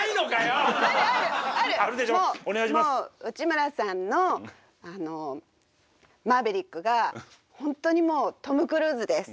もう内村さんのあのマーヴェリックが本当にもうトム・クルーズです。